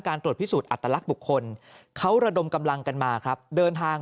ตรวจพิสูจนอัตลักษณ์บุคคลเขาระดมกำลังกันมาครับเดินทาง